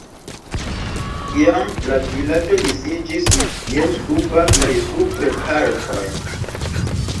Iam la vilaĝo disiĝis je suba kaj supre partoj.